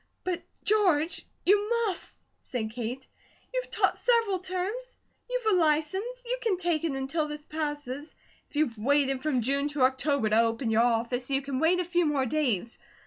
"But, George, you must," said Kate. "You've taught several terms. You've a license. You can take it until this passes. If you have waited from June to October to open your office, you can wait a few more days.